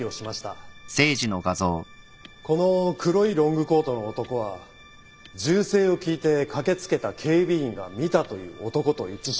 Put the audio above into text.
この黒いロングコートの男は銃声を聞いて駆け付けた警備員が見たという男と一致します。